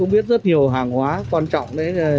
cũng biết rất nhiều hàng hóa quan trọng